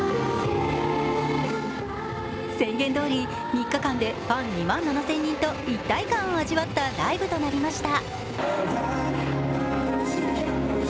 宣言どおり、３日間でファン２万７０００人と一体感を味わったライブとなりました。